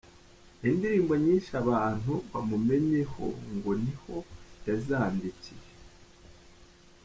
Indirimbo nyinshi abantu bamumenyeho ngo niho yazandikiye.